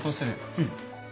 うん。